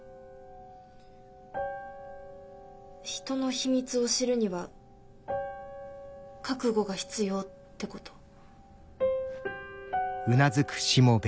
人の秘密を知るには覚悟が必要ってこと？